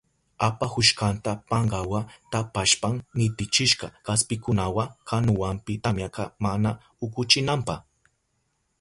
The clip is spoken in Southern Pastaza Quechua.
Apahushkanta pankawa tapashpan nitichishka kaspikunawa kanuwanpi, tamyaka mana ukuchinanpa.